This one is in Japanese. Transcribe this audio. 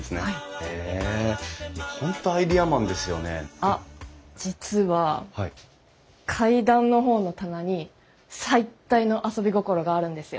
あっ実は階段の方の棚に最大の遊び心があるんですよ。